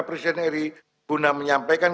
presiden ri guna menyampaikan